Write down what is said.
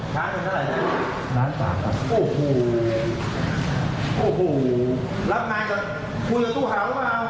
ช้าจนเท่าไหร่นะครับร้านฟ้าครับโอ้โหโอ้โหแล้วนายจะคุยกับตู้ห่าวหรือเปล่า